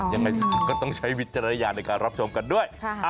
ยังไงก็ต้องใช้วิจารณญาณในการรับชมกันด้วย